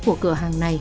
của cửa hàng này